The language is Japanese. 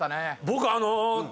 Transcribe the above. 僕あの。